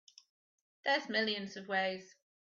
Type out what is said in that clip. There's millions of ways.